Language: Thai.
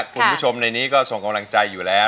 คุณผู้ชมในนี้ก็ส่งกำลังใจอยู่แล้ว